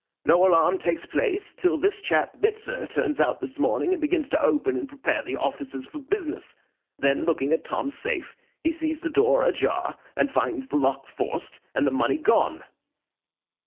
No alarm takes place, till this chap, Bitzer, turns out this morning, and begins to open and prepare the offices for business. Then, looking at Tom's safe, he sees the door ajar, and finds the lock forced, and the money gone.